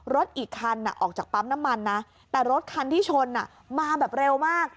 รถอีกคันออกจากปั๊มน้ำมันนะแต่รถคันที่ชนมาแบบเร็วมาก